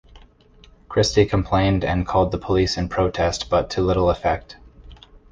Christie complained and called the police in protest but to little effect.